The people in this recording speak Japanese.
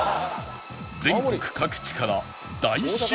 全国各地から大集合